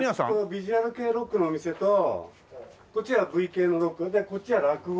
ヴィジュアル系ロックのお店とこっちはＶ系のロックでこっちは落語。